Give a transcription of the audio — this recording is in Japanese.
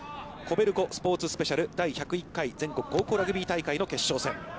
ＫＯＢＥＬＣＯスポーツスペシャル、第１０１回全国高校ラグビー大会の決勝戦。